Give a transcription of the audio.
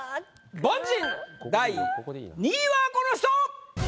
凡人第２位はこの人！